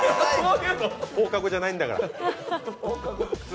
放課後じゃないんだから。